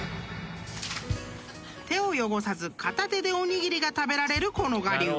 ［手を汚さず片手でおにぎりが食べられるこの我流］